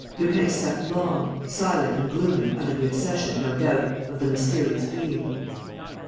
Lupin sat long, silent and gloomy, under the obsession, no doubt, of the mysterious being.